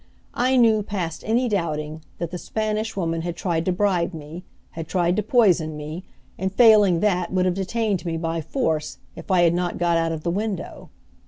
I knew past any doubting, that the Spanish Woman had tried to bribe me, had tried to poison me, and failing that would have detained me by force, if I had not got out of the window.